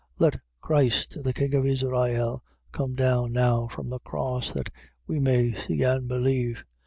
15:32. Let Christ the king of Israel come down now from the cross, that we may see and believe.